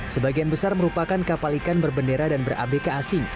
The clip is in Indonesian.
sebagian besar merupakan kapal ikan berbendera dan berabka asing